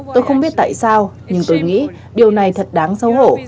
tôi không biết tại sao nhưng tôi nghĩ điều này thật đáng xấu hổ